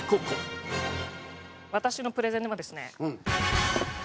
私のプレゼンはですね。